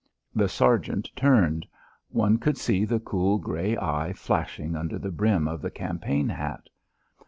The sergeant turned. One could see the cool grey eye flashing under the brim of the campaign hat.